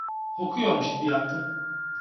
Okuyormuş gibi yaptım.